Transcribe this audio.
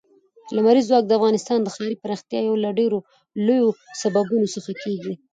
لمریز ځواک د افغانستان د ښاري پراختیا یو له ډېرو لویو سببونو څخه کېږي.